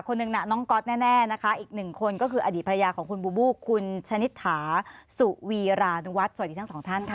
หนึ่งน่ะน้องก๊อตแน่นะคะอีกหนึ่งคนก็คืออดีตภรรยาของคุณบูบูคุณชนิษฐาสุวีรานุวัฒน์สวัสดีทั้งสองท่านค่ะ